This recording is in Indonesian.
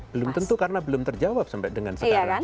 belum tentu karena belum terjawab sampai dengan sekarang